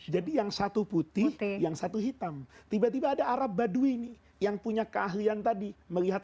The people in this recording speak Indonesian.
jadi yang satu putih yang satu hitam tiba tiba ada arab badu ini yang punya keahlian tadi melihat